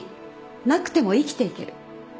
なくても生きていける。